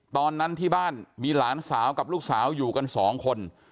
ตอนนั้นที่บ้านมีหลานสาวกับลูกสาวอยู่กันสองคน